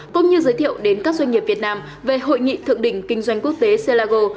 cũng như giới thiệu đến các doanh nghiệp việt nam về hội nghị thượng đỉnh kinh doanh quốc tế selangor